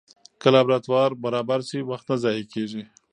که لابراتوار برابر سي، وخت نه ضایع کېږي.